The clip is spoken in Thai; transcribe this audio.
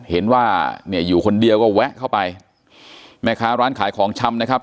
เห็นว่าเนี่ยอยู่คนเดียวก็แวะเข้าไปแม่ค้าร้านขายของชำนะครับ